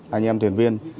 anh em thuyền viên